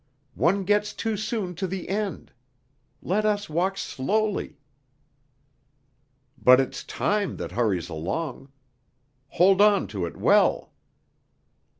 "One gets too soon to the end. Let us walk slowly." "But it's time that hurries along. Hold on to it well."